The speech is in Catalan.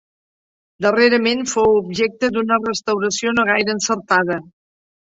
Darrerament fou objecte d'una restauració no gaire encertada.